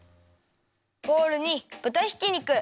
ボウルにぶたひき肉